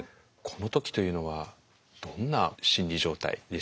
この時というのはどんな心理状態でしたか？